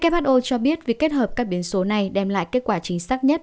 who cho biết việc kết hợp các biến số này đem lại kết quả chính xác nhất